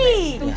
setuju pak rete